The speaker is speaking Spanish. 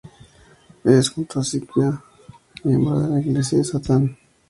Es, junto a Skiba, miembro de la Iglesia de Satán.